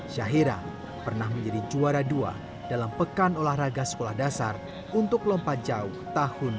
syahira pernah menjadi juara dua dalam pekan olahraga sekolah dasar untuk lompat jauh tahun dua ribu dua puluh